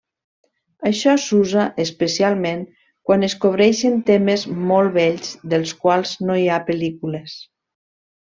Això s'usa especialment quan es cobreixen temes molt vells dels quals no hi ha pel·lícules.